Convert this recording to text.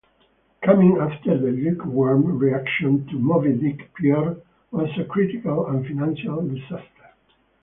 Coming after the lukewarm reaction to "Moby-Dick", "Pierre" was a critical and financial disaster.